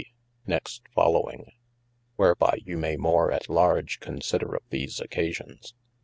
next following, whereby you may more at large consider of these occasions.